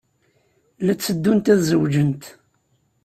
La tteddunt ad zewǧent.